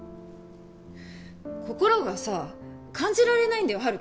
心がさ感じられないんだよ